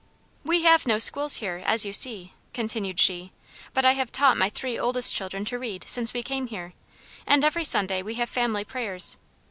"We have no schools here, as you see," continued she; "but I have taught my three oldest children to read since we came here, and every Sunday we have family prayers.